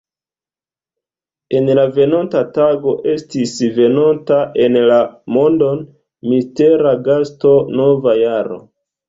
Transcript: En la venonta tago estis venonta en la mondon mistera gasto: nova jaro.